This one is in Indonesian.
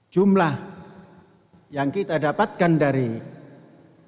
jumlah yang kita dapatkan dari aliran uang